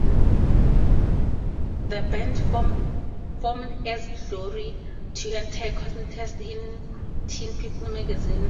The band formed, as Glory, to enter a contest in Teen People magazine.